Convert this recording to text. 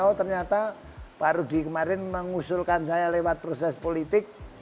oh ternyata pak rudi kemarin mengusulkan saya lewat proses politik